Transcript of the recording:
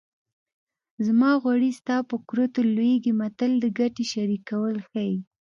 زما غوړي ستا په کورتو لوېږي متل د ګټې شریکول ښيي